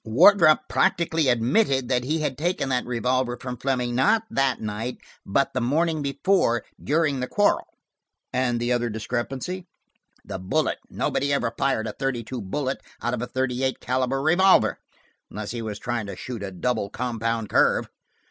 Wardrop practically admitted that he had taken that revolver from Fleming, not that night, but the morning before, during the quarrel." "And the other discrepancy?" "The bullet. Nobody ever fired a thirty two bullet out of a thirty eight caliber revolver–unless he was trying to shoot a double compound curve.